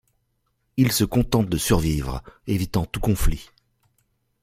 Il se contente de survivre, évitant tout conflit.